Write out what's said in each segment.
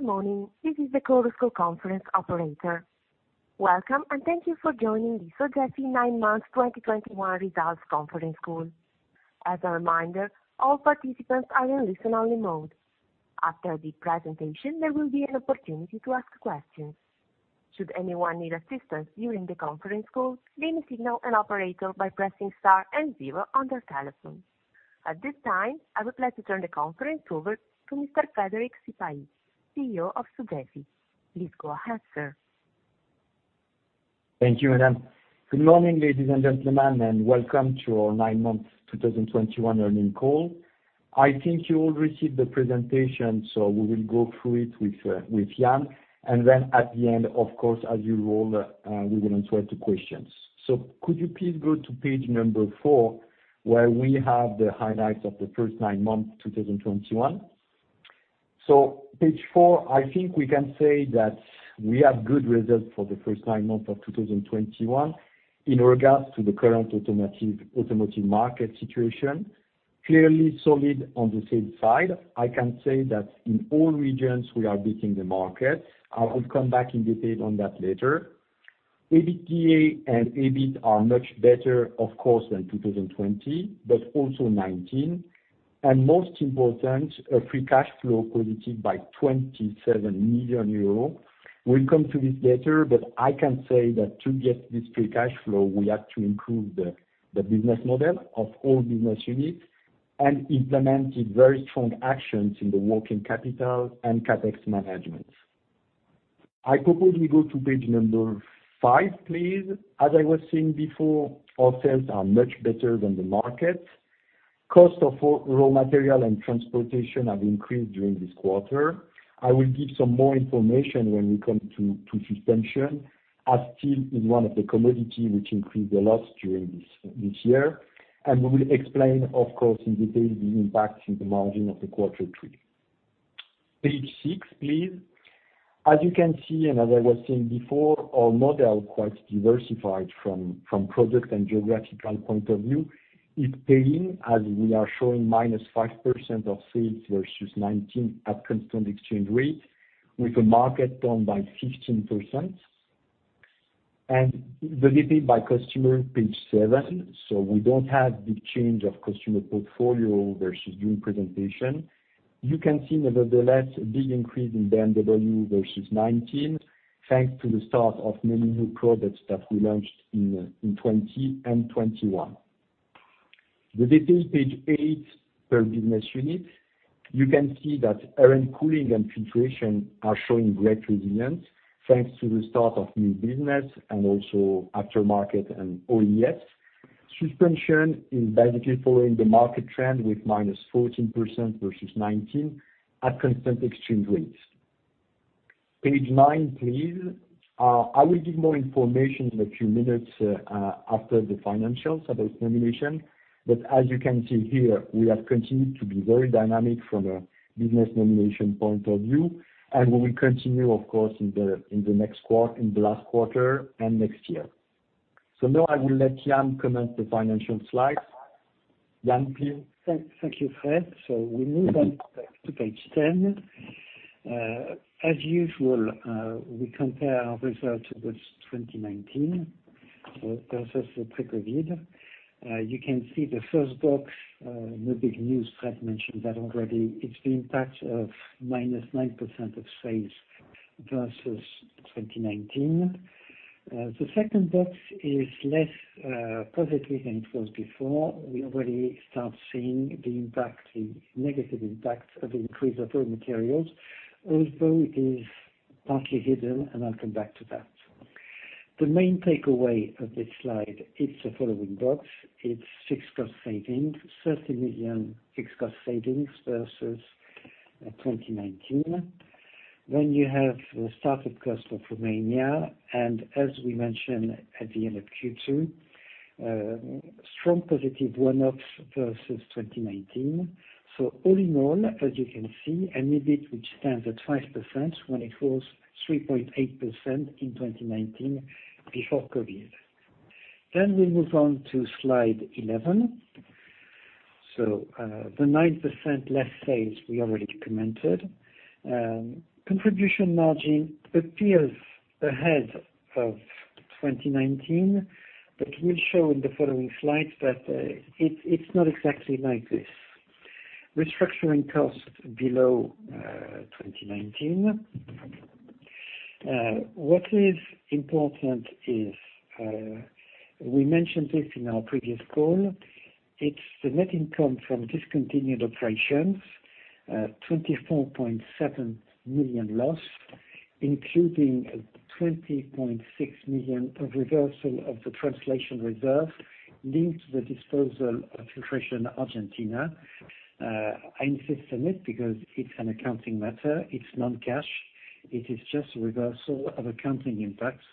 Good morning. This is the Chorus Call conference operator. Welcome, thank you for joining the Sogefi nine-month 2021 results conference call. As a reminder, all participants are in listen-only mode. After the presentation, there will be an opportunity to ask questions. Should anyone need assistance during the conference call, please signal an operator by pressing star and zero on their telephone. At this time, I would like to turn the conference over to Mr. Frédéric Sipahi, CEO of Sogefi. Please go ahead, sir. Thank you, madam. Good morning, ladies and gentlemen, welcome to our nine-month 2021 earnings call. I think you all received the presentation, we will go through it with Yann. At the end, of course, as usual, we will answer the questions. Could you please go to page number four, where we have the highlights of the first nine months 2021. Page four, I think we can say that we have good results for the first nine months of 2021 in regards to the current automotive market situation. Clearly solid on the sales side. I can say that in all regions we are beating the market. I will come back in detail on that later. EBITDA and EBIT are much better, of course, than 2020, but also 2019. Most important, a free cash flow positive by 27 million euros. We'll come to this later, but I can say that to get this free cash flow, we have to improve the business model of all business units and implemented very strong actions in the working capital and CapEx management. I propose we go to page number five, please. As I was saying before, our sales are much better than the market. Cost of raw material and transportation have increased during this quarter. I will give some more information when we come to Suspension, as steel is one of the commodity which increased a lot during this year. We will explain, of course, in detail the impact in the margin of the quarter three. Page six, please. As you can see, and as I was saying before, our model quite diversified from product and geographical point of view. It's paying as we are showing -5% of sales versus 2019 at constant exchange rate with a market down by 15%. The detail by customer, page seven. We don't have big change of customer portfolio versus June presentation. You can see nevertheless a big increase in BMW versus 2019, thanks to the start of many new products that we launched in 2020 and 2021. The details, page eight, per business unit. You can see that Air & Cooling and Filtration are showing great resilience thanks to the start of new business and also aftermarket and OEM. Suspensions is basically following the market trend with -14% versus 2019 at constant exchange rates. Page nine, please. I will give more information in a few minutes after the financials about nomination. As you can see here, we have continued to be very dynamic from a business nomination point of view, and we will continue, of course, in the last quarter and next year. Now I will let Yann comment the financial slides. Yann, please. Thank you, Fred. We move on to page 10. As usual, we compare our results with 2019 versus the pre-COVID. You can see the first box, no big news, Fred mentioned that already. It's the impact of -9% of sales versus 2019. The second box is less positive than it was before. We already start seeing the negative impact of increase of raw materials, although is partly hidden, and I'll come back to that. The main takeaway of this slide, it's the following box. It's fixed cost savings, 30 million fixed cost savings versus 2019. You have the start-up cost of Romania. As we mentioned at the end of Q2, strong positive one-offs versus 2019. All in all, as you can see, an EBIT which stands at 5% when it was 3.8% in 2019 before COVID. We move on to slide 11. The 9% less sales we already commented. Contribution margin appears ahead of 2019, we'll show in the following slides that it's not exactly like this. Restructuring cost below 2019. What is important is, we mentioned this in our previous call, it's the net income from discontinued operations, 24.7 million loss, including a 20.6 million of reversal of the translation reserve linked to the disposal of Filtration Argentina. I insist on it because it's an accounting matter. It's non-cash. It is just reversal of accounting impacts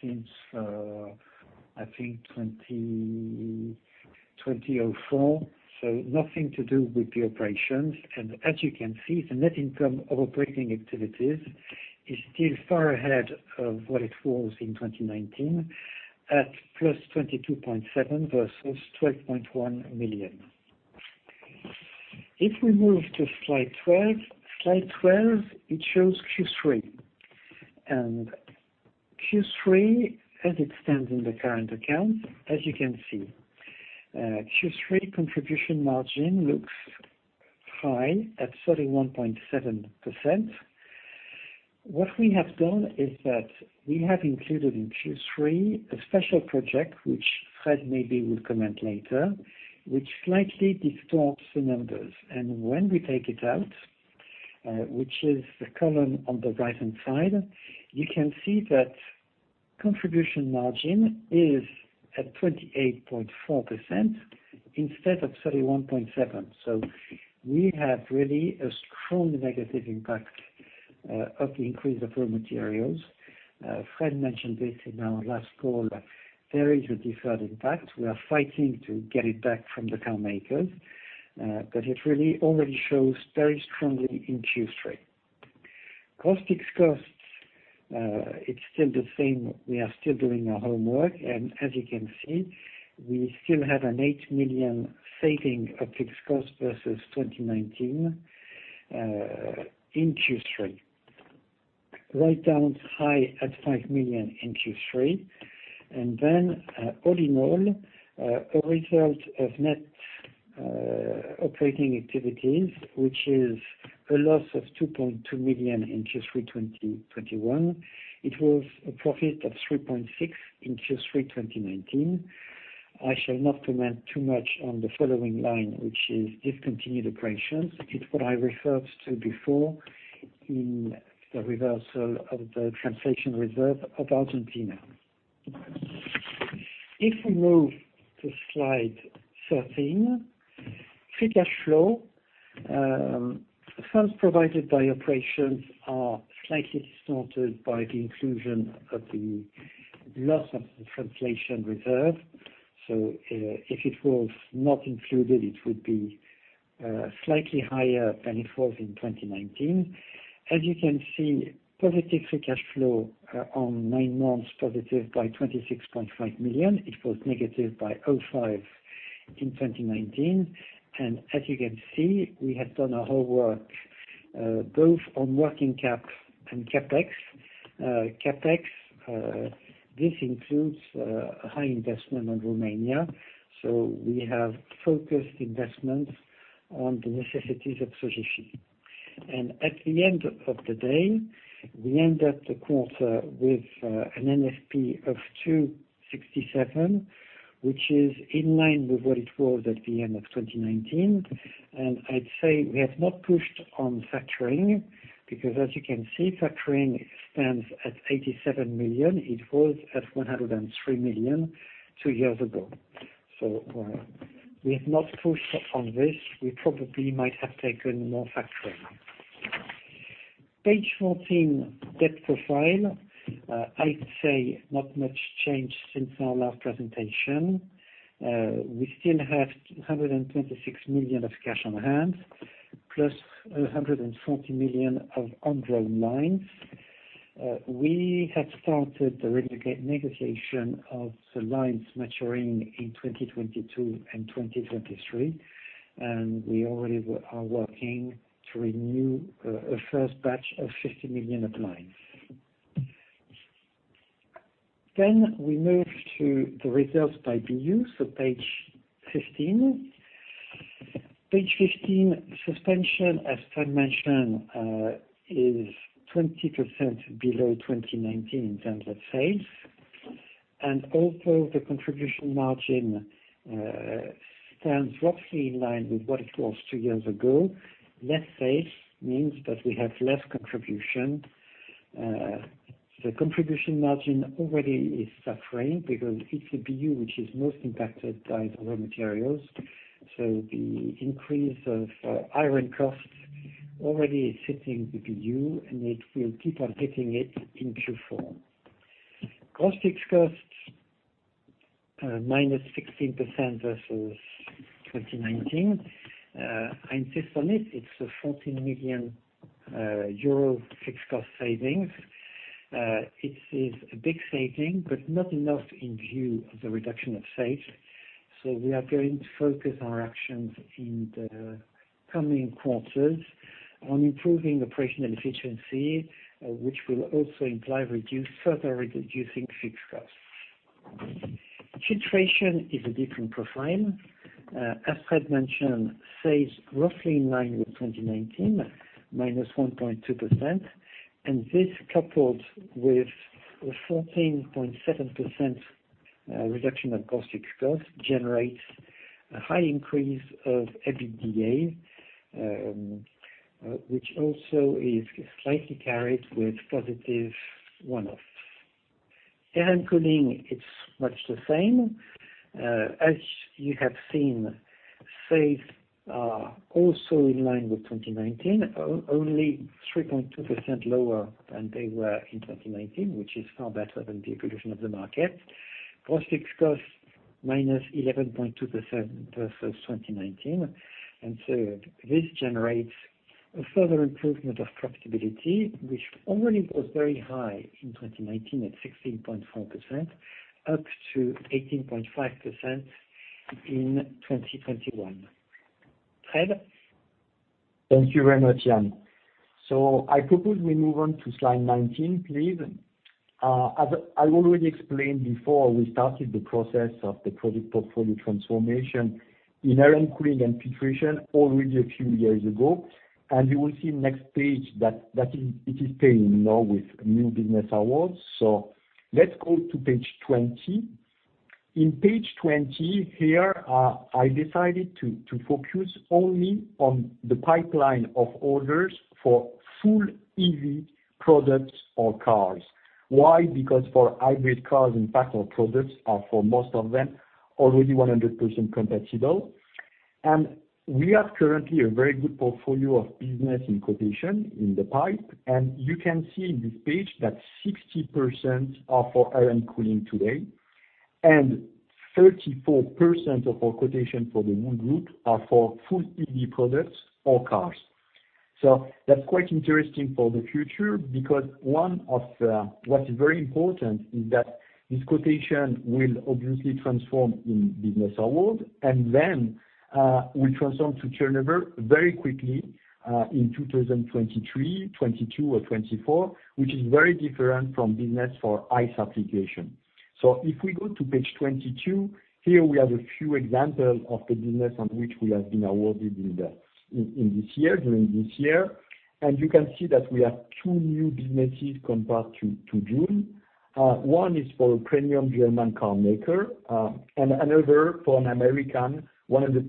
since, I think, 2004. Nothing to do with the operations. As you can see, the net income of operating activities is still far ahead of what it was in 2019, at +22.7 million versus 12.1 million. If we move to slide 12, it shows Q3. Q3, as it stands in the current account, as you can see, Q3 contribution margin looks high at 31.7%. What we have done is that we have included in Q3 a special project, which Fred maybe will comment later, which slightly distorts the numbers. When we take it out, which is the column on the right-hand side, you can see that contribution margin is at 28.4% instead of 31.7%. We have really a strong negative impact of the increase of raw materials. Fred mentioned this in our last call. There is a deferred impact. We are fighting to get it back from the car makers, but it really already shows very strongly in Q3. Cost fixed costs, it's still the same. We are still doing our homework, and as you can see, we still have an 8 million saving of fixed costs versus 2019 in Q3. Write-downs high at EUR 5 million in Q3. All in all, a result of net operating activities, which is a loss of 2.2 million in Q3 2021. It was a profit of 3.6 million in Q3 2019. I shall not comment too much on the following line, which is discontinued operations. It's what I referred to before in the reversal of the translation reserve of Argentina. If we move to slide 13, free cash flow. Funds provided by operations are slightly distorted by the inclusion of the loss of the translation reserve. If it was not included, it would be slightly higher than it was in 2019. As you can see, positive free cash flow on 9 months, positive by 26.5 million. It was negative by 0.5 million in 2019. As you can see, we have done our homework, both on working cap and CapEx. CapEx, this includes a high investment on Romania. We have focused investments on the necessities of Sogefi. At the end of the day, we end up the quarter with an NFP of 267, which is in line with what it was at the end of 2019. I'd say we have not pushed on factoring because as you can see, factoring stands at 87 million. It was at 103 million two years ago. We have not pushed on this. We probably might have taken more factoring. Page 14, debt profile. I'd say not much changed since our last presentation. We still have 126 million of cash on hand, plus 140 million of undrawn lines. We have started the renegotiation of the lines maturing in 2022 and 2023, and we already are working to renew a first batch of 50 million of lines. We move to the results by BU, so page 15. Page 15, Suspension, as Fred mentioned, is 20% below 2019 in terms of sales. Although the contribution margin stands roughly in line with what it was two years ago, less sales means that we have less contribution. The contribution margin already is suffering because it's a BU which is most impacted by the raw materials. The increase of iron costs already is hitting the BU, and it will keep on hitting it in Q4. Cost fixed costs, -16% versus 2019. I insist on it's a 14 million euro fixed cost savings. It is a big saving, but not enough in view of the reduction of sales. We are going to focus our actions in the coming quarters on improving operational efficiency, which will also imply further reducing fixed costs. Filtration is a different profile. As Fred mentioned, sales roughly in line with 2019, -1.2%. This, coupled with a 14.7% reduction of fixed costs, generates a high increase of EBITDA, which also is slightly carried with positive one-offs. Air & Cooling, it's much the same. As you have seen, sales are also in line with 2019, only 3.2% lower than they were in 2019, which is far better than the evolution of the market. Fixed costs, -11.2% versus 2019. This generates a further improvement of profitability, which already was very high in 2019 at 16.4%, up to 18.5% in 2021. Fred? Thank you very much, Yann. I propose we move on to slide 19, please. As I already explained before, we started the process of the product portfolio transformation in Air & Cooling and Filtration already a few years ago. You will see next page that it is paying now with new business awards. Let's go to page 20. In page 20, here, I decided to focus only on the pipeline of orders for full EV products or cars. Why? Because for hybrid cars, in fact, our products are, for most of them, already 100% compatible. We have currently a very good portfolio of business in quotation in the pipe. You can see in this page that 60% are for Air & Cooling today, and 34% of our quotation for the whole group are for full EV products or cars. That's quite interesting for the future, because what is very important is that this quotation will obviously transform in business award, and then will transform to turnover very quickly, in 2023, 2022, or 2024, which is very different from business for ICE application. If we go to page 22, here we have a few examples of the business on which we have been awarded during this year. You can see that we have two new businesses compared to June. One is for a premium German car maker, and another for an American 100%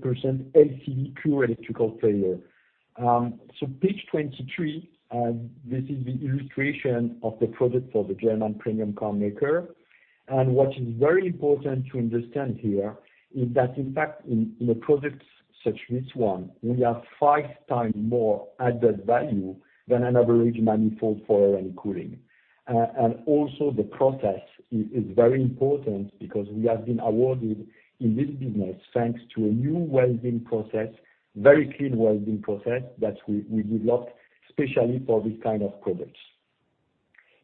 LCV pure electrical player. Page 23, this is the illustration of the project for the German premium car maker. What is very important to understand here is that, in fact, in a project such as this one, we have five times more added value than an average manifold for Air & Cooling. Also the process is very important because we have been awarded in this business thanks to a new welding process, very clean welding process that we developed especially for this kind of products.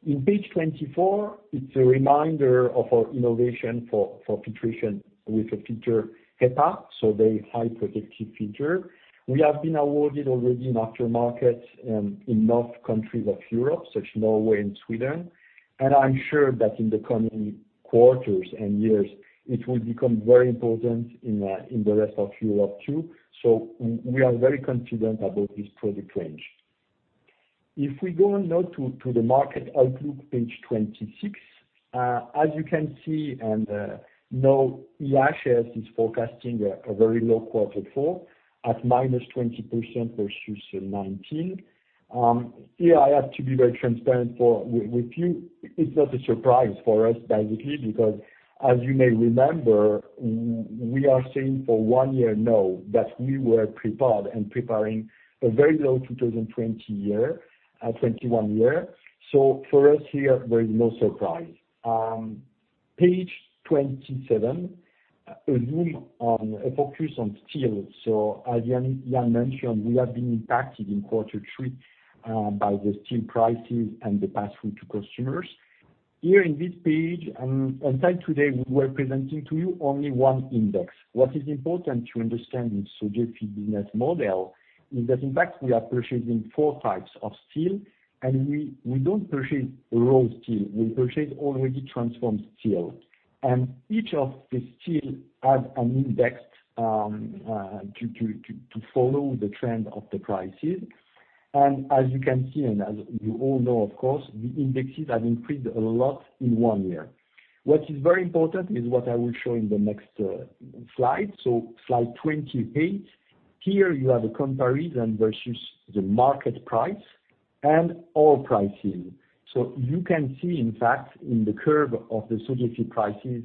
In page 24, it's a reminder of our innovation for Filtration with a filter HEPA, so very high protective filter. We have been awarded already in aftermarket in north countries of Europe, such Norway and Sweden. I'm sure that in the coming quarters and years, it will become very important in the rest of Europe, too. We are very confident about this product range. If we go now to the market outlook, page 26. As you can see and know, IHS is forecasting a very low quarter four at -20% versus 2019. Here I have to be very transparent with you. It's not a surprise for us, basically, because as you may remember, we are saying for one year now that we were prepared and preparing a very low 2021 year. For us here, there is no surprise. Page 27, a focus on steel. As Yann mentioned, we have been impacted in quarter three by the steel prices and the pass-through to customers. Here in this page and until today, we were presenting to you only one index. What is important to understand in Sogefi business model is that, in fact, we are purchasing four types of steel, and we don't purchase raw steel. We purchase already transformed steel. Each of the steel has an index to follow the trend of the prices. As you can see, and as you all know, of course, the indexes have increased a lot in one year. What is very important is what I will show in the next slide. Slide 28. Here you have a comparison versus the market price and our pricing. You can see, in fact, in the curve of the Sogefi prices,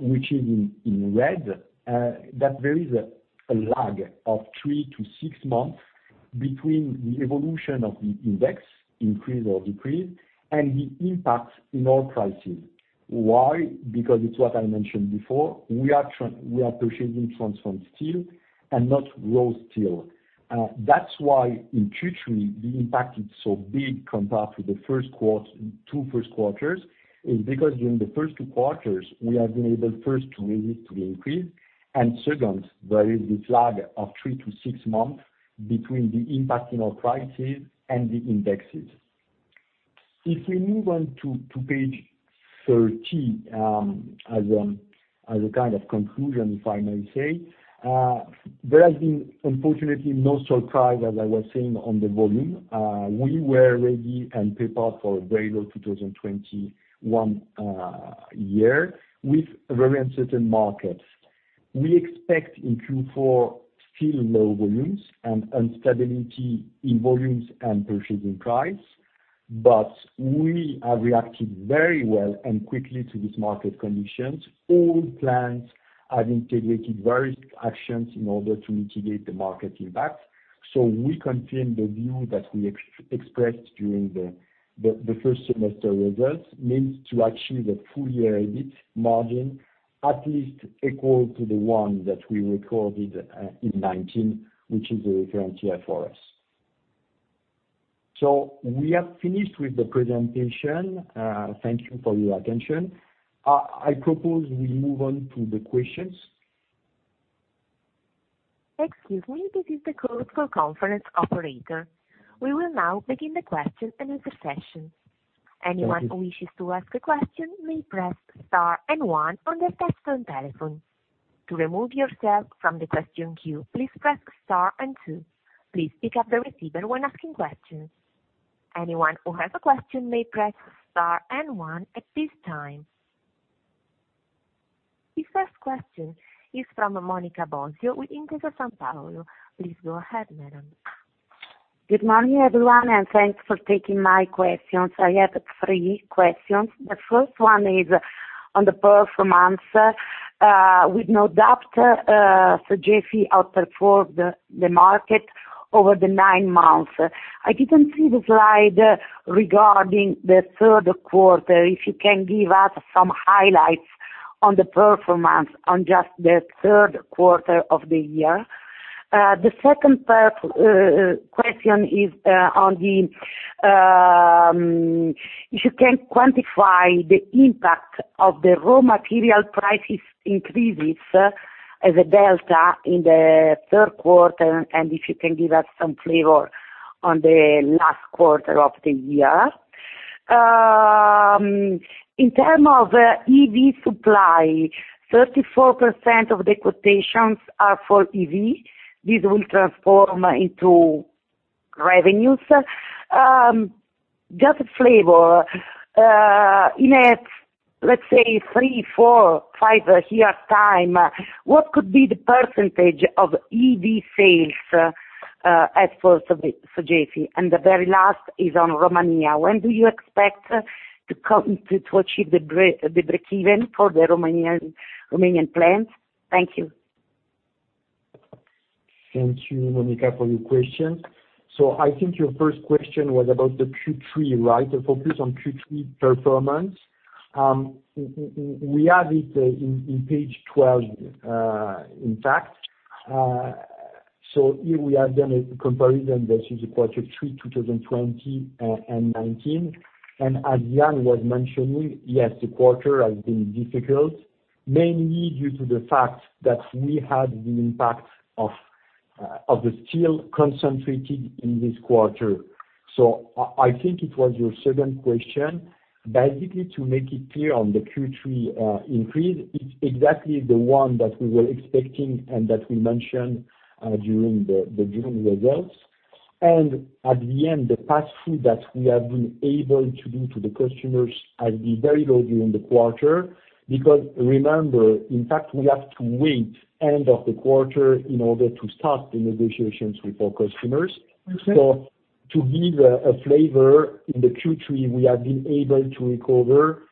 which is in red, that there is a lag of three to six months between the evolution of the index, increase or decrease, and the impact in our pricing. Why? Because it is what I mentioned before. We are purchasing transformed steel and not raw steel. That is why in Q3 the impact is so big compared to the two first quarters, is because during the first two quarters, we have been able first to resist the increase, and second, there is this lag of three to six months between the impact in our prices and the indexes. If we move on to page 30, as a kind of conclusion, if I may say, there has been, unfortunately, no surprise, as I was saying, on the volume. We were ready and prepared for a very low 2021 year with very uncertain markets. We expect in Q4 still low volumes and instability in volumes and purchasing price. We have reacted very well and quickly to these market conditions. All plants have integrated various actions in order to mitigate the market impact. We confirm the view that we expressed during the first semester results, means to achieve a full year EBIT margin at least equal to the one that we recorded in 2019, which is a reference year for us. We have finished with the presentation. Thank you for your attention. I propose we move on to the questions. We will now begin the question and answer session. Thank you. We will now begin the question and discussion. Anyone who wishes to ask a question may press star and one on their touchstone telephone. To remove yourself from the question queue, please press star and two. Please pick up the receiver when asking questions. Anyone who has a question may press star and one at this time. The first question is from Monica Bosio with Intesa Sanpaolo. Please go ahead, madam. Good morning, everyone, and thanks for taking my questions. I have three questions. The first one is on the performance. With no doubt, Sogefi outperformed the market over the nine months. I didn't see the slide regarding the third quarter, if you can give us some highlights on the performance on just the third quarter of the year. The second question is if you can quantify the impact of the raw material prices increases as a delta in the third quarter, and if you can give us some flavor on the last quarter of the year. In term of EV supply, 34% of the quotations are for EV. This will transform into revenues. Just a flavor. In, let's say three, four, five years time, what could be the % of EV sales as for Sogefi? The very last is on Romania. When do you expect to achieve the breakeven for the Romanian plant? Thank you. Thank you, Monica, for your question. I think your first question was about the Q3, right? The focus on Q3 performance. We have it in page 12, in fact. Here we have done a comparison versus the quarter three 2020 and 2019. As Yann was mentioning, yes, the quarter has been difficult, mainly due to the fact that we had the impact of the steel concentrated in this quarter. I think it was your second question. Basically, to make it clear on the Q3 increase, it is exactly the one that we were expecting and that we mentioned during the June results. At the end, the pass-through that we have been able to do to the customers has been very low during the quarter. Remember, in fact, we have to wait end of the quarter in order to start the negotiations with our customers. Okay. To give a flavor, in the Q3, we have been able to recover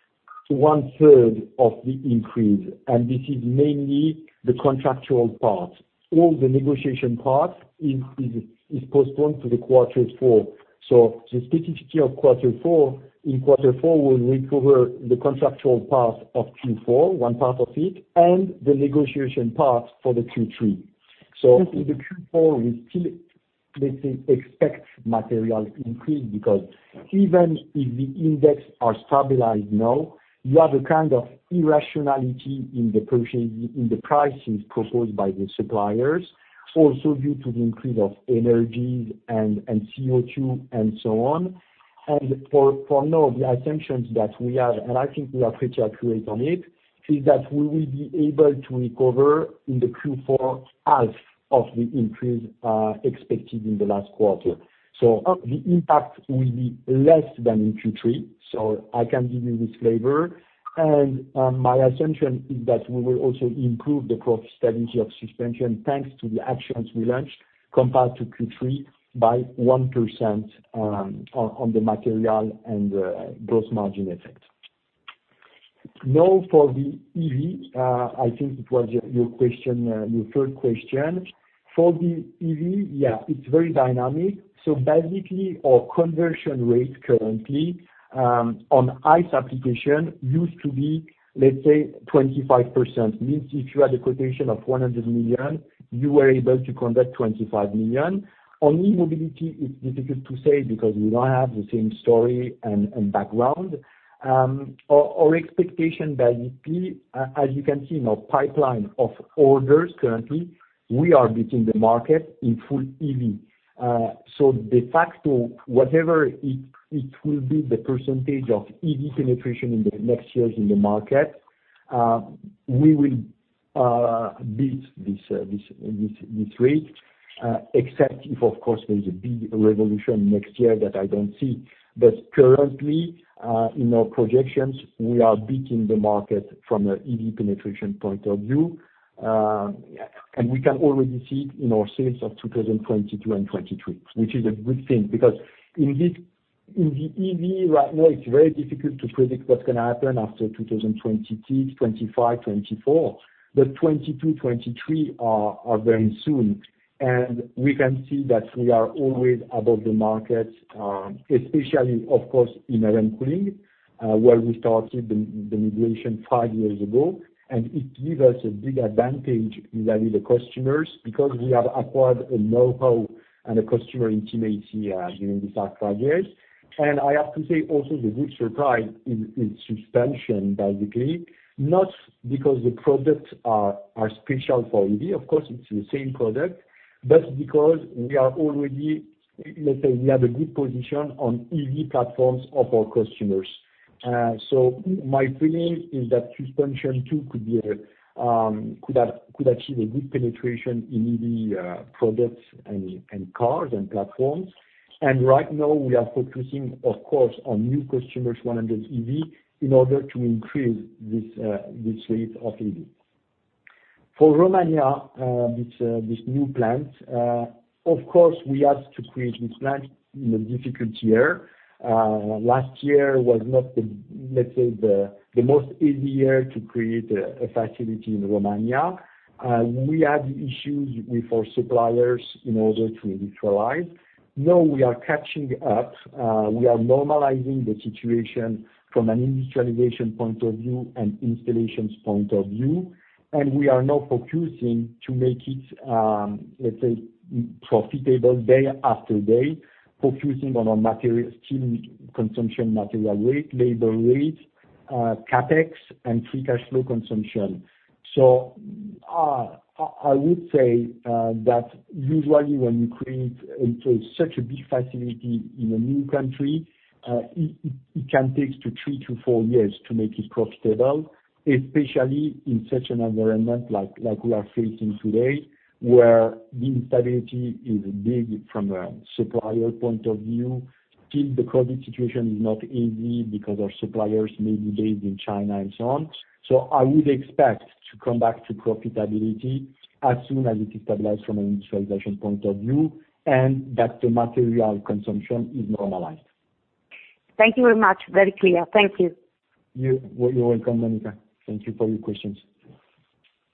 1/3 of the increase, and this is mainly the contractual part. All the negotiation part is postponed to the quarter four. The specificity of quarter four, in quarter four, we'll recover the contractual part of Q4, one part of it, and the negotiation part for the Q3. In the Q4, we still, let's say, expect material increase because even if the index are stabilized now, you have a kind of irrationality in the prices proposed by the suppliers, also due to the increase of energy and CO2 and so on. For now, the assumptions that we have, and I think we are pretty accurate on it, is that we will be able to recover in the Q4 half of the increase expected in the last quarter. The impact will be less than in Q3. I can give you this flavor. My assumption is that we will also improve the profitability of Suspension, thanks to the actions we launched compared to Q3 by 1% on the material and gross margin effect. Now for the EV, I think it was your third question. For the EV, yeah, it's very dynamic. Basically, our conversion rate currently, on ICE application used to be, let's say, 25%. Means if you had a quotation of 100 million, you were able to convert 25 million. On E-mobility, it's difficult to say because we don't have the same story and background. Our expectation basically, as you can see in our pipeline of orders currently, we are beating the market in full EV. De facto, whatever it will be the percentage of EV penetration in the next years in the market, we will beat this rate, except if of course there is a big revolution next year that I don't see. Currently, in our projections, we are beating the market from a EV penetration point of view. We can already see it in our sales of 2022 and 2023, which is a good thing, because In the EV right now, it's very difficult to predict what's going to happen after 2023, 2025, 2024. 2022, 2023 are very soon, and we can see that we are always above the market, especially of course, in Air & Cooling, where we started the negotiation five years ago, and it gives us a big advantage with the customers, because we have acquired a knowhow and a customer intimacy during these past five years. I have to say also the good surprise in Suspension, basically, not because the products are special for EV, of course, it's the same product, but because we are already, let's say, we have a good position on EV platforms of our customers. My feeling is that Suspension too could achieve a good penetration in EV products and cars and platforms. Right now we are focusing, of course, on new customers wanting EV in order to increase this rate of EV. For Romania, this new plant, of course, we had to create this plant in a difficult year. Last year was not the, let's say, the most easy year to create a facility in Romania. We had issues with our suppliers in order to industrialize. Now we are catching up. We are normalizing the situation from an industrialization point of view and installations point of view, and we are now focusing to make it, let's say, profitable day after day, focusing on our material, steel consumption, material rate, labor rate, CapEx, and free cash flow consumption. I would say that usually when you create such a big facility in a new country, it can take three to four years to make it profitable, especially in such an environment like we are facing today, where the instability is big from a supplier point of view. Still the COVID situation is not easy because our suppliers may be based in China and so on. I would expect to come back to profitability as soon as it stabilizes from an industrialization point of view, and that the material consumption is normalized. Thank you very much. Very clear. Thank you. You're welcome, Monica. Thank you for your questions.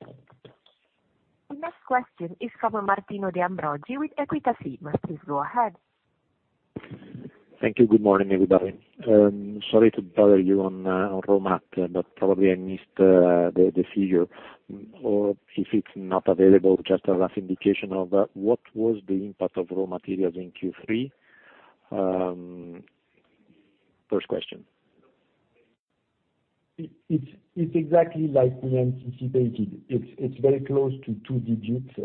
The next question is from Martino De Ambroggi with Equita SIM. Please go ahead. Thank you. Good morning, everybody. Sorry to bother you on raw mat, probably I missed the figure, or if it's not available, just a rough indication of what was the impact of raw materials in Q3? First question. It's exactly like we anticipated. It's very close to two-digit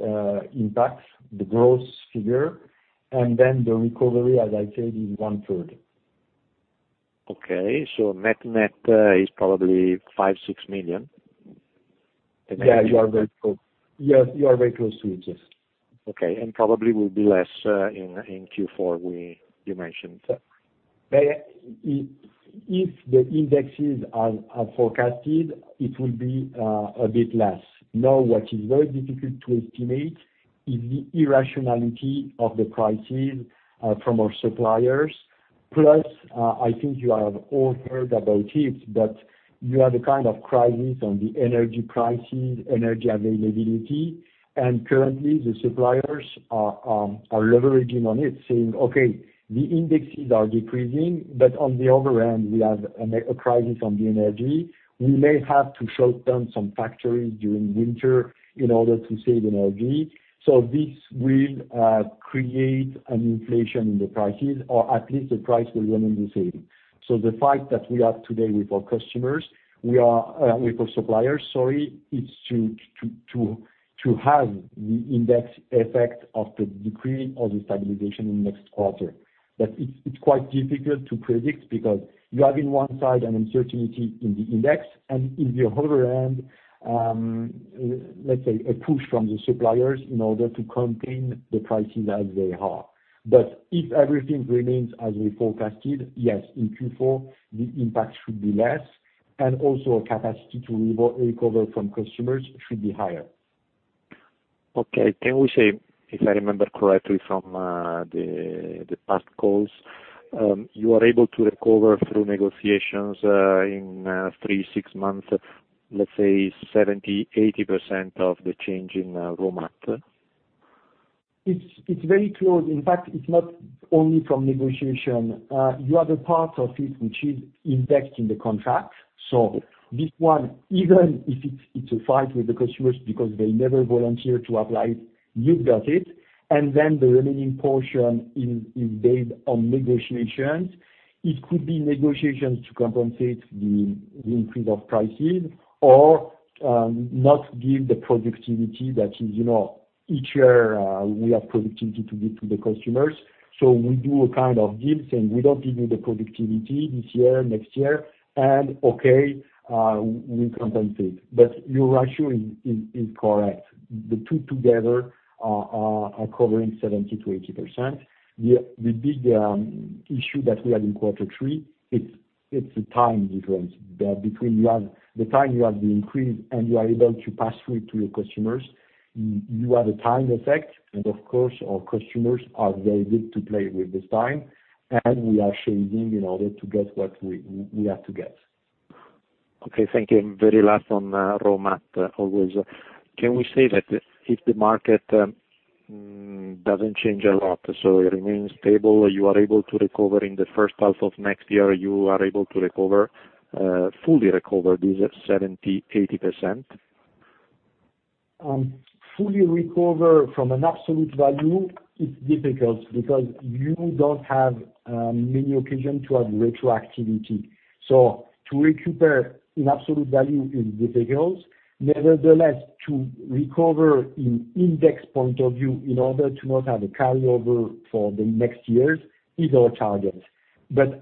impacts, the gross figure, and then the recovery, as I said, is 1/3. Okay. Net is probably 5 million-6 million. Yeah, you are very close to it. Yes. Okay. Probably will be less in Q4 we mentioned. If the indexes are forecasted, it will be a bit less. What is very difficult to estimate is the irrationality of the prices from our suppliers. I think you have all heard about it, but you have a kind of crisis on the energy prices, energy availability, and currently the suppliers are leveraging on it, saying, "Okay, the indexes are decreasing, but on the other end, we have a crisis on the energy. We may have to shut down some factories during winter in order to save energy." This will create an inflation in the prices, or at least the price will remain the same. The fight that we have today with our suppliers, is to have the index effect of the decrease or the stabilization in next quarter. It's quite difficult to predict because you have in one side an uncertainty in the index, and in the other end, let's say, a push from the suppliers in order to contain the prices as they are. If everything remains as we forecasted, yes, in Q4, the impact should be less, and also our capacity to recover from customers should be higher. Okay. Can we say, if I remember correctly from the past calls, you are able to recover through negotiations in three, six months, let's say 70%, 80% of the change in raw mat? It's very close. In fact, it's not only from negotiation. You have a part of it which is indexed in the contract. This one, even if it's a fight with the customers because they never volunteer to apply it, you've got it. Then the remaining portion is based on negotiations. It could be negotiations to compensate the increase of prices or not give the productivity that is, each year we have productivity to give to the customers. We do a kind of deal, saying, "We don't give you the productivity this year, next year," and okay, we compensate. Your ratio is correct. The two together are covering 70%-80%. The big issue that we have in quarter three, it's the time difference between the time you have the increase and you are able to pass through to your customers. You have a time effect, and of course, our customers are very good to play with this time, and we are shaving in order to get what we have to get. Okay, thank you. Very last on raw mat, always. Can we say that if the market doesn't change a lot, it remains stable, you are able to recover in the first half of next year, you are able to fully recover this 70%-80%? Fully recover from an absolute value is difficult because you don't have many occasions to have retroactivity. To recuperate in absolute value is difficult. Nevertheless, to recover in index point of view in order to not have a carryover for the next years is our target.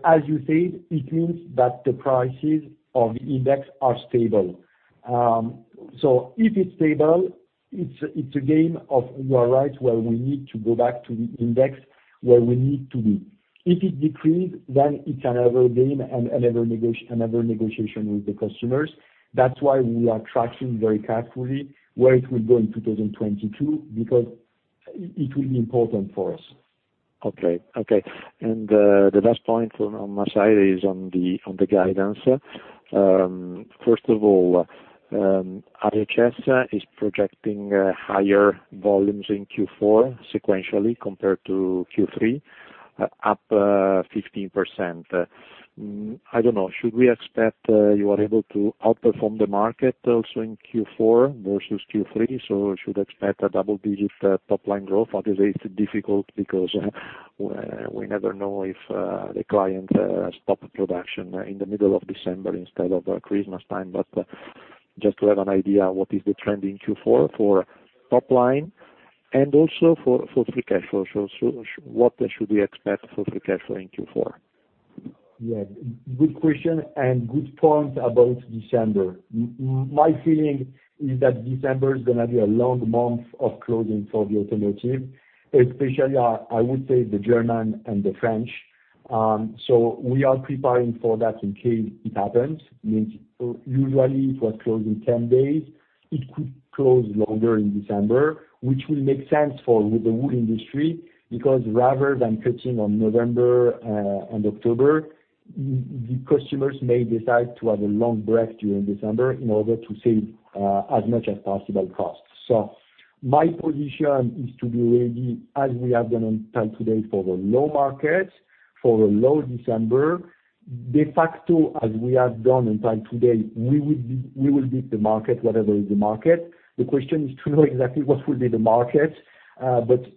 As you said, it means that the prices of index are stable. If it's stable, it's a game of, you are right, where we need to go back to the index where we need to be. If it decreased, it's another game and another negotiation with the customers. That's why we are tracking very carefully where it will go in 2022 because it will be important for us. Okay. The last point on my side is on the guidance. First of all, IHS Markit is projecting higher volumes in Q4 sequentially compared to Q3, up 15%. I don't know, should we expect you are able to outperform the market also in Q4 versus Q3? Should expect a double-digit top-line growth? Obviously, it's difficult because we never know if the client stop production in the middle of December instead of Christmas time. Just to have an idea, what is the trend in Q4 for top line and also for free cash flow. What should we expect for free cash flow in Q4? Yeah. Good question, and good point about December. My feeling is that December is going to be a long month of closing for the automotive, especially, I would say, the German and the French. We are preparing for that in case it happens. Means usually it was closed in 10 days. It could close longer in December, which will make sense for with the whole industry because rather than cutting on November and October, the customers may decide to have a long break during December in order to save as much as possible costs. My position is to be ready as we have done until today for the low market, for a low December. De facto, as we have done until today, we will beat the market, whatever is the market. The question is to know exactly what will be the market.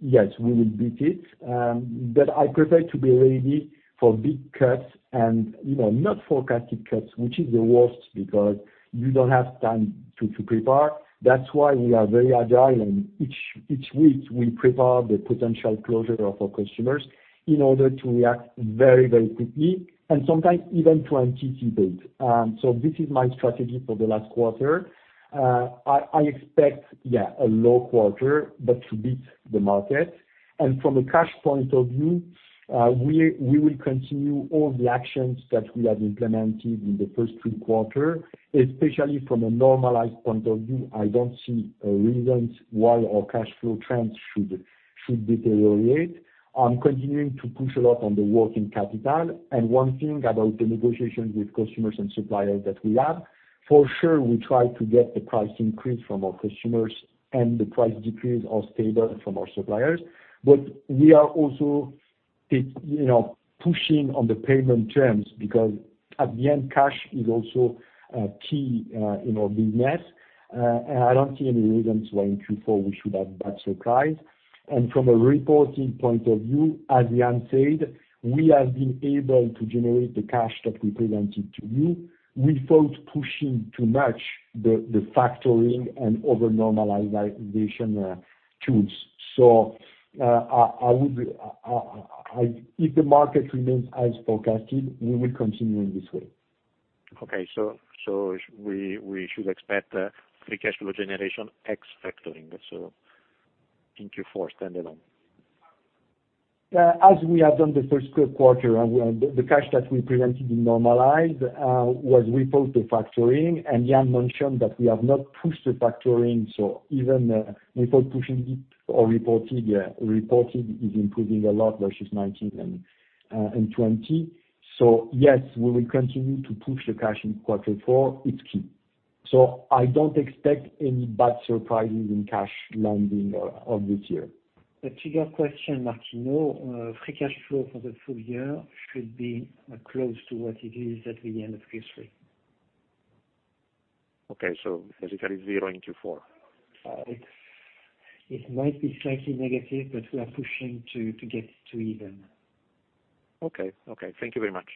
Yes, we will beat it. I prefer to be ready for big cuts and not forecasted cuts, which is the worst because you don't have time to prepare. That's why we are very agile, and each week we prepare the potential closure of our customers in order to react very quickly, and sometimes even to anticipate. This is my strategy for the last quarter. I expect a low quarter, but to beat the market. From a cash point of view, we will continue all the actions that we have implemented in the first three quarter, especially from a normalized point of view. I don't see a reason why our cash flow trends should deteriorate. I'm continuing to push a lot on the working capital. One thing about the negotiations with customers and suppliers that we have, for sure we try to get the price increase from our customers and the price decrease or stable from our suppliers. We are also pushing on the payment terms because at the end, cash is also a key in our business. I don't see any reasons why in Q4 we should have bad surprise. From a reporting point of view, as Yann said, we have been able to generate the cash that we presented to you without pushing too much the factoring and other normalization tools. If the market remains as forecasted, we will continue in this way. Okay. We should expect free cash flow generation ex-factoring, so in Q4, standalone. As we have done the first quarter, the cash that we presented in normalized was without the factoring. Yann mentioned that we have not pushed the factoring. Even without pushing it or reported is improving a lot versus 2019 and 2020. Yes, we will continue to push the cash in quarter four, it's key. I don't expect any bad surprises in cash landing of this year. A figure question, Martino. Free cash flow for the full year should be close to what it is at the end of Q3. Okay. Basically zero in Q4. It might be slightly negative, but we are pushing to get to even. Okay. Thank you very much.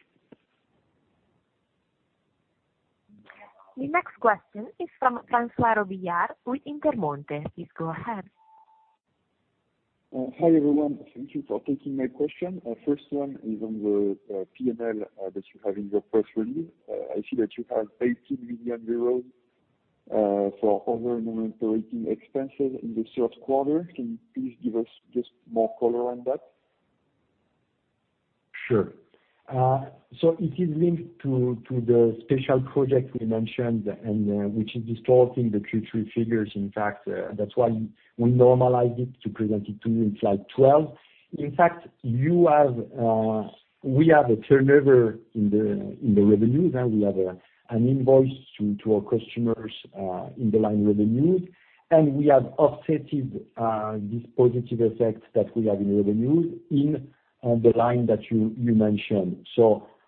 The next question is from François Villard with Intermonte. Please go ahead. Hi, everyone. Thank you for taking my question. First one is on the P&L that you have in your press release. I see that you have 18 million euros for other non-recurring expenses in the third quarter. Can you please give us just more color on that? Sure. It is linked to the special project we mentioned, and which is distorting the Q3 figures. In fact, that's why we normalized it to present it to you in slide 12. In fact, we have a turnover in the revenues, and we have an invoice to our customers in the line revenues. We have offset this positive effect that we have in revenues in the line that you mentioned.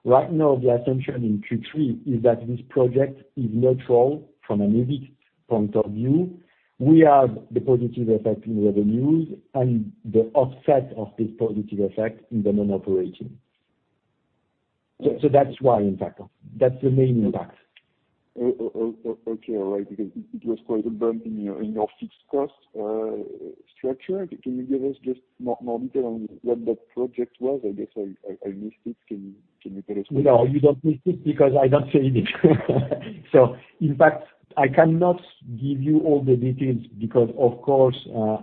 Right now, the assumption in Q3 is that this project is neutral from an EBIT point of view. We have the positive effect in revenues and the offset of this positive effect in the non-operating. That's why, in fact, that's the main impact. Okay. All right, because it was quite a bump in your fixed cost structure. Can you give us just more detail on what that project was? I guess I missed it. Can you tell us more? No, you don't miss it because I don't say it. In fact, I cannot give you all the details because, of course,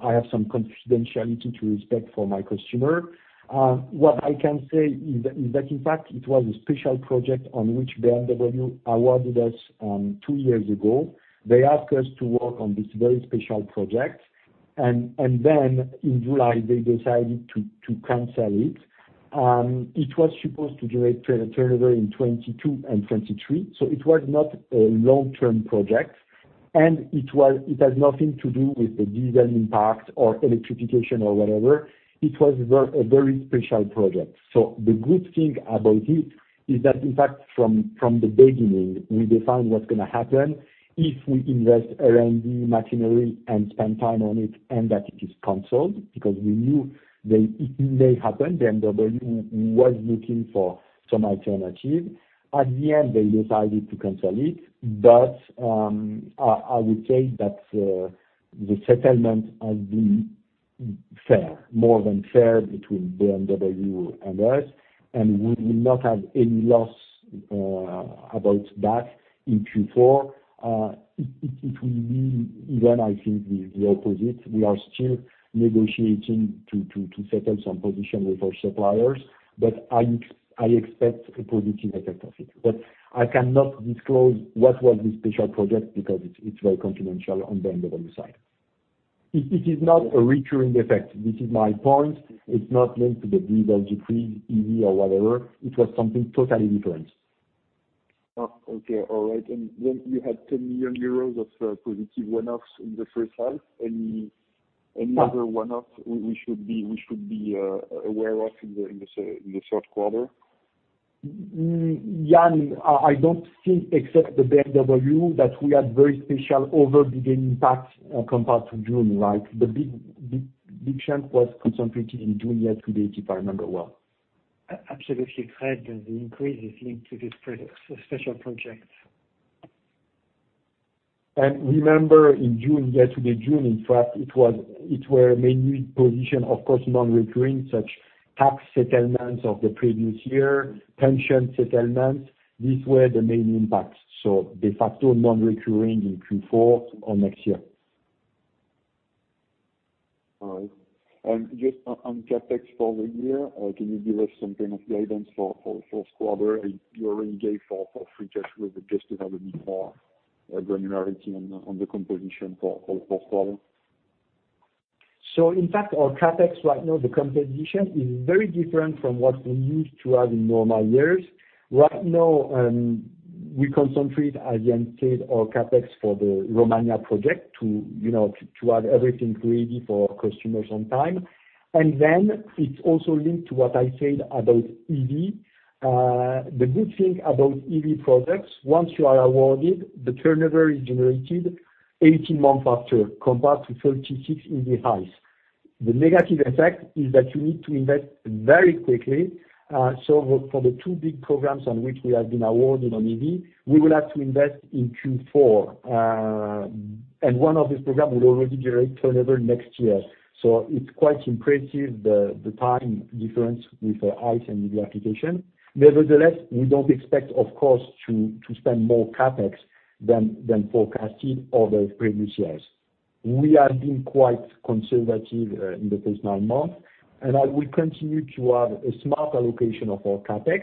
I have some confidentiality to respect for my customer. What I can say is that, in fact, it was a special project on which BMW awarded us two years ago. They asked us to work on this very special project. Then in July, they decided to cancel it. It was supposed to generate turnover in 2022 and 2023, it was not a long-term project. It has nothing to do with the diesel impact or electrification or whatever. It was a very special project. The good thing about it is that, in fact, from the beginning, we defined what's going to happen if we invest R&D machinery and spend time on it, and that it is canceled because we knew that it may happen. BMW was looking for some alternative. At the end, they decided to cancel it. I would say that the settlement has been fair, more than fair between BMW and us, and we will not have any loss about that in Q4. It will be even, I think, the opposite. We are still negotiating to settle some position with our suppliers, but I expect a positive effect of it. I cannot disclose what was this special project because it's very confidential on BMW side. It is not a recurring effect. This is my point. It's not linked to the diesel decree, EV or whatever. It was something totally different. Okay. All right. You had 10 million euros of positive one-offs in the first half. Any other one-off we should be aware of in the third quarter? Yann, I don't think except the BMW that we had very special over beginning impact compared to June, right? The big chunk was concentrated in June, year to date, if I remember well. Absolutely correct. The increase is linked to this special project. Remember in June, year to date June, in fact, it were mainly provisions, of course, non-recurring such tax settlements of the previous year, pension settlements. These were the main impacts. De facto non-recurring in Q4 or next year. Just on CapEx for the year, can you give us some kind of guidance for this quarter? You already gave for free cash flow, but just to have a bit more granularity on the composition for this quarter. In fact, our CapEx right now, the composition is very different from what we used to have in normal years. Right now, we concentrate, as Yann said, our CapEx for the Romania project to have everything ready for customers on time. It's also linked to what I said about EV. The good thing about EV products, once you are awarded, the turnover is generated 18 months after compared to 36 in the ICE. The negative effect is that you need to invest very quickly. For the two big programs on which we have been awarded on EV, we will have to invest in Q4. One of these programs will already generate turnover next year. It's quite impressive the time difference with ICE and EV application. Nevertheless, we don't expect, of course, to spend more CapEx than forecasted over previous years. We are being quite conservative in the first nine months, and I will continue to have a smart allocation of our CapEx.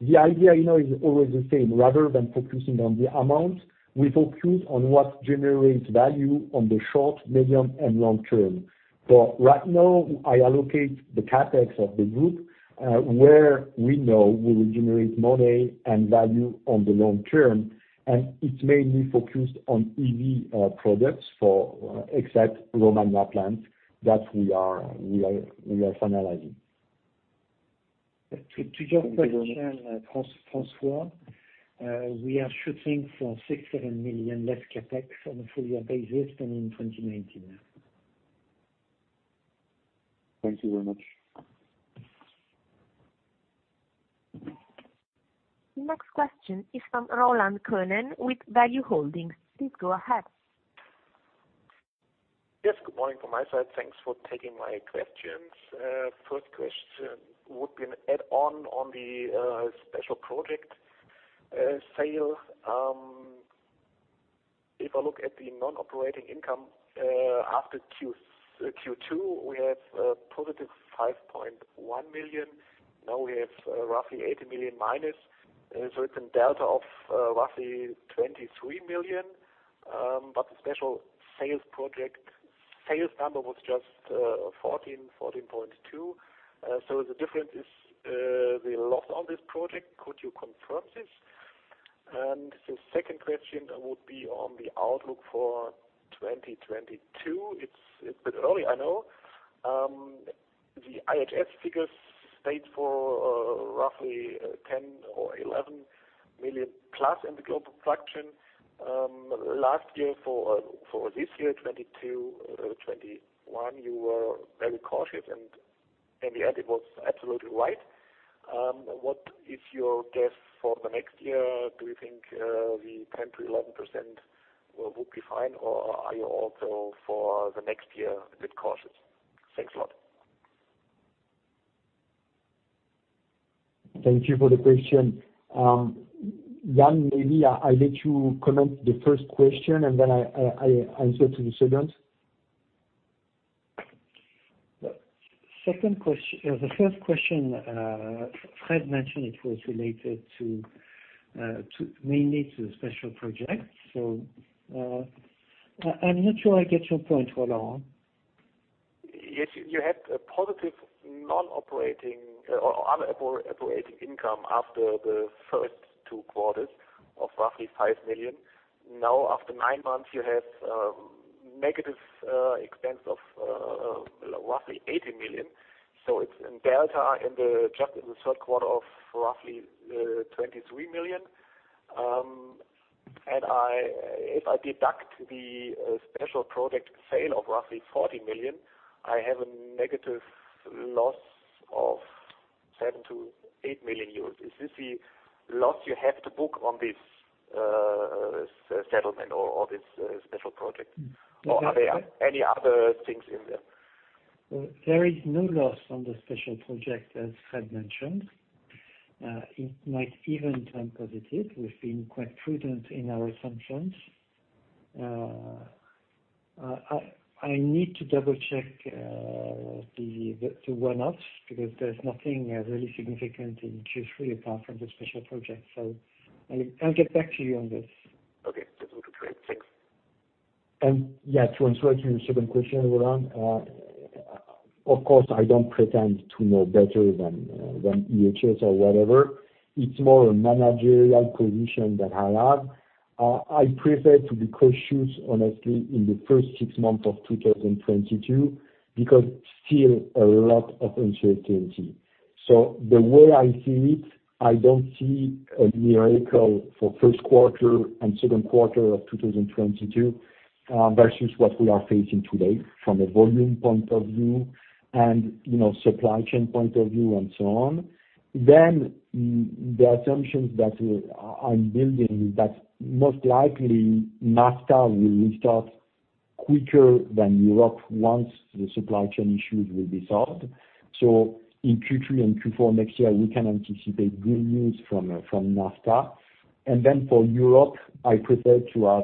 The idea is always the same. Rather than focusing on the amount, we focus on what generates value on the short, medium, and long term. For right now, I allocate the CapEx of the group where we know we will generate money and value on the long term, and it's mainly focused on EV products for except Romania plant that we are finalizing. To your question, François, we are shooting for 6 million-7 million less CapEx on a full year basis than in 2019. Thank you very much. The next question is from Roland Könen with Value-Holdings. Please go ahead. Yes, good morning from my side. Thanks for taking my questions. First question would be an add-on, on the special project sale. If I look at the non-operating income after Q2, we have a positive 5.1 million. We have roughly 80 million minus. It's a delta of roughly 23 million. The special sales project sales number was just 14.2. The difference is the loss on this project. Could you confirm this? The second question would be on the outlook for 2022. It's a bit early, I know. The IHS figures state for roughly 10 million or 11 million+ in the global production. Last year for this year, 2020 to 2021, you were very cautious, in the end it was absolutely right. What is your guess for the next year? Do you think the 10%-11% would be fine, or are you also for the next year a bit cautious? Thanks a lot. Thank you for the question. Yann, maybe I let you comment the first question, and then I answer to the second. The first question, Fred mentioned it was related mainly to the special project. I'm not sure I get your point, Roland. Yes. You had a positive non-operating or other operating income after the first two quarters of roughly 5 million. After nine months, you have negative expense of roughly 80 million. It's a delta just in the third quarter of roughly 23 million. If I deduct the special project sale of roughly 40 million, I have a negative loss of 7 million-8 million euros. Is this the loss you have to book on this settlement or this special project? Are there any other things in there? There is no loss on the special project, as Fred mentioned. It might even turn positive. We've been quite prudent in our assumptions. I need to double-check the one-offs because there's nothing really significant in Q3 apart from the special project. I'll get back to you on this. Okay. That's looking great. Thanks. Yeah, to answer to your second question, Roland, of course, I don't pretend to know better than IHS or whatever. It's more a managerial condition that I have. I prefer to be cautious, honestly, in the first six months of 2022, because still a lot of uncertainty. The way I see it, I don't see a miracle for first quarter and second quarter of 2022, versus what we are facing today from a volume point of view and supply chain point of view and so on. The assumptions that I'm building is that most likely NAFTA will restart quicker than Europe once the supply chain issues will be solved. In Q3 and Q4 next year, we can anticipate good news from NAFTA. For Europe, I prefer to have,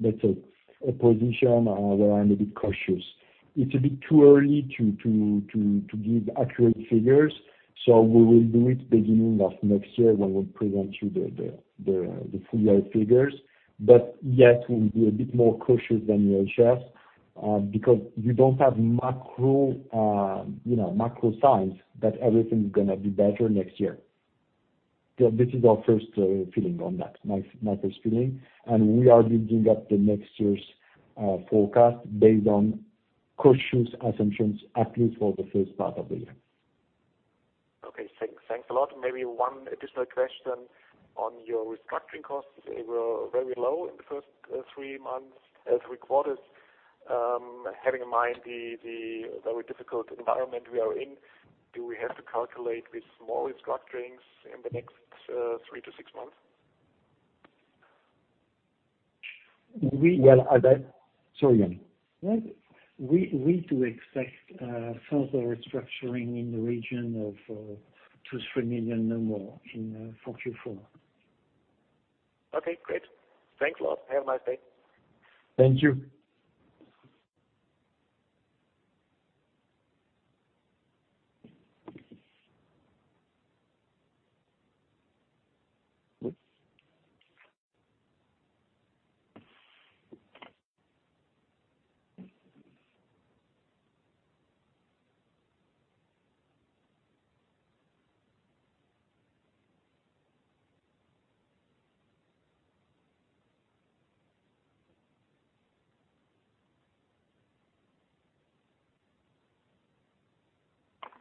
let's say, a position where I'm a bit cautious. It's a bit too early to give accurate figures, so we will do it beginning of next year when we present you the full year figures. Yes, we'll be a bit more cautious than IHS, because we don't have macro signs that everything's going to be better next year. This is our first feeling on that. My first feeling. We are building up the next year's forecast based on cautious assumptions, at least for the first part of the year. Okay, thanks. Thanks a lot. Maybe 1 additional question on your restructuring costs. They were very low in the first three months as recorded. Having in mind the very difficult environment we are in, do we have to calculate with more restructurings in the next three to six months? We- Well, I think-- Sorry, Yann. No. We do expect further restructuring in the region of 2 million-3 million, no more, for Q4. Okay, great. Thanks a lot. Have a nice day. Thank you.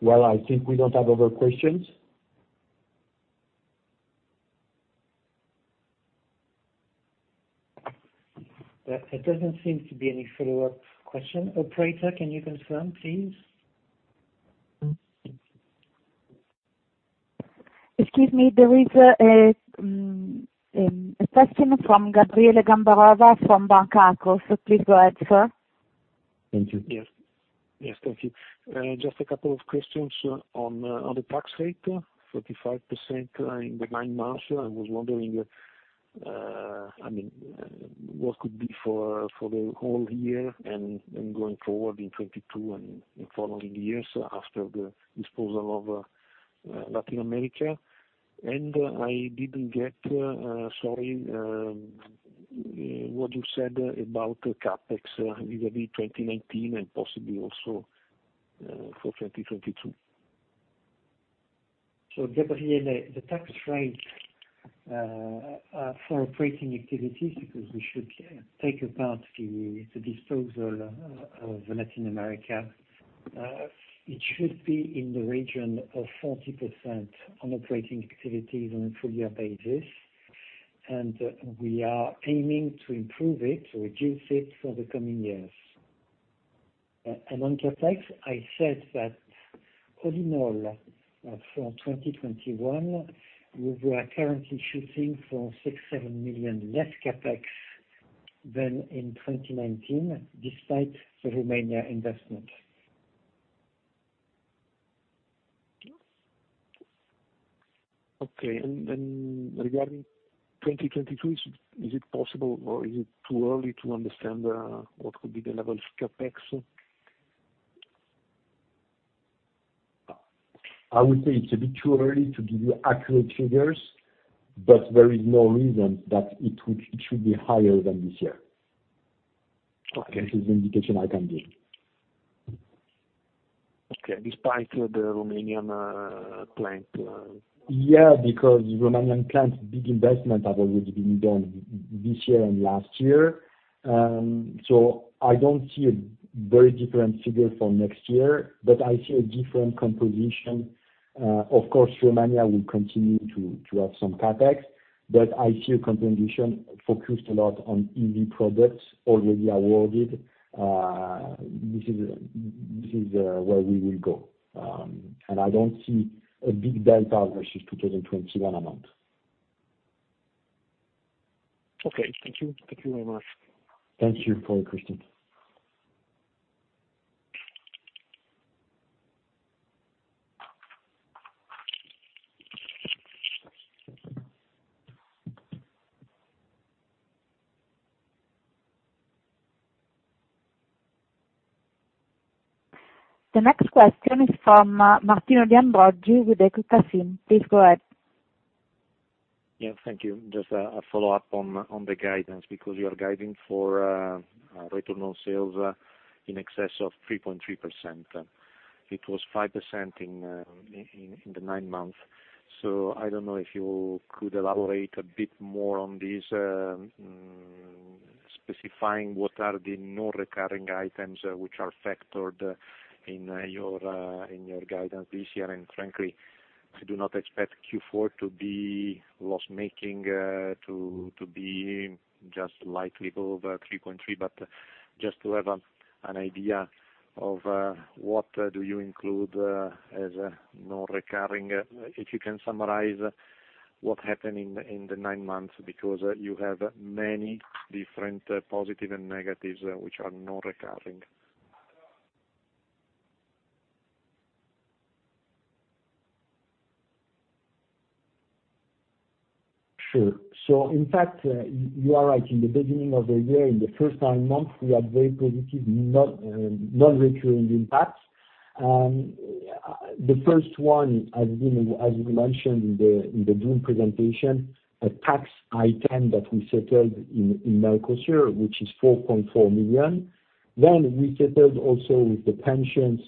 Well, I think we don't have other questions. There doesn't seem to be any follow-up question. Operator, can you confirm, please? Excuse me. There is a question from Gabriele Gambarova from Banca Akros. Please go ahead, sir. Thank you. Yes. Thank you. Just a couple of questions on the tax rate, 35% in the nine months. I was wondering, what could be for the whole year and going forward in 2022 and in following years after the disposal of Latin America. I didn't get, sorry, what you said about CapEx vis-a-vis 2019 and possibly also for 2022. Gabriele, the tax rate for operating activities, because we should take apart the disposal of Latin America, it should be in the region of 40% on operating activities on a full year basis. We are aiming to improve it, to reduce it for the coming years. On CapEx, I said that all in all, for 2021, we were currently shooting for 6 million-million less CapEx than in 2019, despite the Romania investment. Okay, regarding 2022, is it possible or is it too early to understand what could be the level of CapEx? I would say it's a bit too early to give you accurate figures, but there is no reason that it should be higher than this year. Okay. This is the indication I can give. Okay. Despite the Romanian plant. Because Romanian plant, big investment have already been done this year and last year. I don't see a very different figure for next year, but I see a different composition. Of course, Romania will continue to have some CapEx, but I see a composition focused a lot on EV products already awarded. This is where we will go. I don't see a big delta versus 2021 amount. Okay. Thank you. Thank you very much. Thank you for your question. The next question is from Martino De Ambroggi with Equita SIM. Please go ahead. Thank you. Just a follow-up on the guidance, because you are guiding for return on sales in excess of 3.3%. It was 5% in the nine months. I don't know if you could elaborate a bit more on this, specifying what are the non-recurring items which are factored in your guidance this year. Frankly, I do not expect Q4 to be loss-making, to be just slightly above 3.3%. Just to have an idea of what do you include as non-recurring. If you can summarize what happened in the nine months, because you have many different positive and negatives which are non-recurring. Sure. In fact, you are right. In the beginning of the year, in the first nine months, we had very positive non-recurring impacts. The first one, as we mentioned in the June presentation, a tax item that we settled in Mercosur, which is 4.4 million. We settled also with the pensions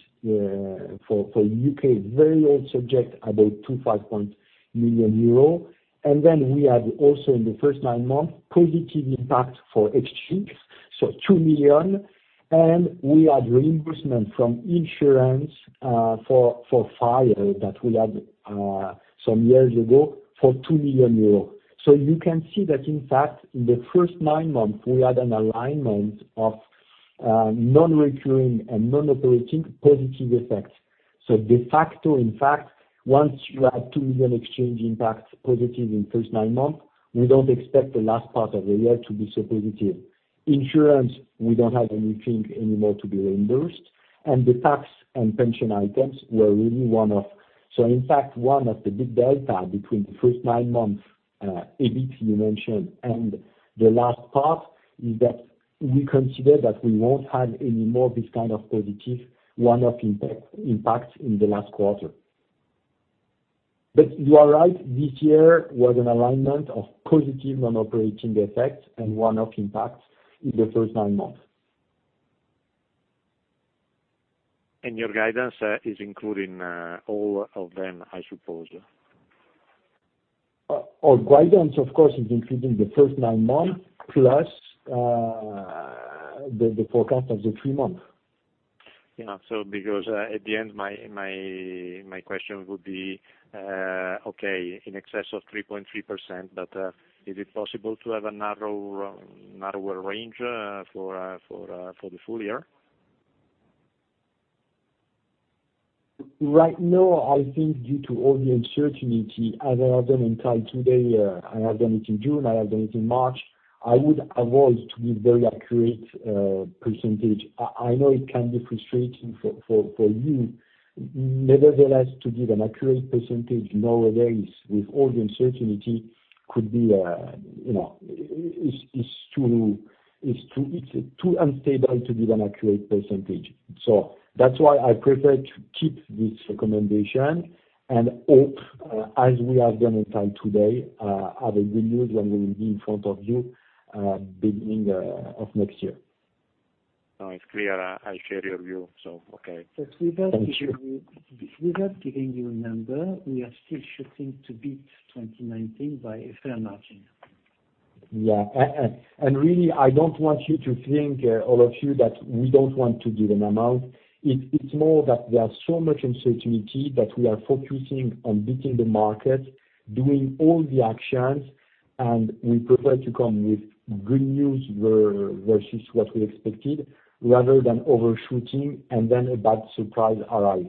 for U.K., very old subject, about 2.5 million euro. We had also in the first nine months, positive impact for exchange, 2 million. We had reimbursement from insurance for fire that we had some years ago for 2 million euros. You can see that in fact, in the first nine months, we had an alignment of non-recurring and non-operating positive effects. De facto, in fact, once you had 2 million exchange impact positive in first nine months, we don't expect the last part of the year to be so positive. Insurance, we don't have anything anymore to be reimbursed, and the tax and pension items were really one-off. In fact, one of the big delta between the first nine months EBIT you mentioned and the last part, is that we consider that we won't have any more of this kind of positive one-off impact in the last quarter. You are right, this year was an alignment of positive non-operating effects and one-off impacts in the first nine months. Your guidance is including all of them, I suppose. Our guidance, of course, is including the first nine months plus the forecast of the three months. Yeah. Because at the end, my question would be, okay, in excess of 3.3%, but is it possible to have a narrower range for the full year? Right now, I think due to all the uncertainty, as I have done until today, I have done it in June, I have done it in March, I would avoid to give very accurate percentage. I know it can be frustrating for you. Nevertheless, to give an accurate percentage nowadays with all the uncertainty, it's too unstable to give an accurate percentage. That's why I prefer to keep this recommendation and hope, as we have done until today, have a good news when we will be in front of you beginning of next year. No, it's clear. I share your view. Okay. Thank you. Without giving you a number, we are still shooting to beat 2019 by a fair margin. Yeah. Really, I don't want you to think, all of you, that we don't want to give an amount. It's more that there are so much uncertainty that we are focusing on beating the market, doing all the actions, and we prefer to come with good news versus what we expected, rather than overshooting and then a bad surprise arrive.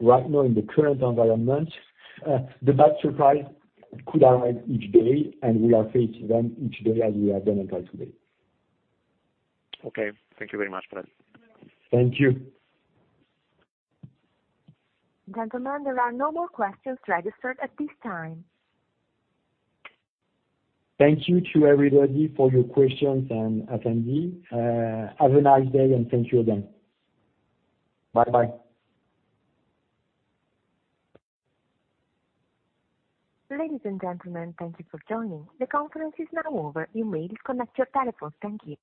Right now in the current environment, the bad surprise could arrive each day, and we are facing them each day as we have done until today. Okay. Thank you very much, Fred. Thank you. Gentlemen, there are no more questions registered at this time. Thank you to everybody for your questions and attendance. Have a nice day, and thank you again. Bye-bye. Ladies and gentlemen, thank you for joining. The conference is now over. You may disconnect your telephones. Thank you.